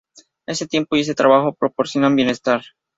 Ese tiempo y ese trabajo proporcionaban bienestar.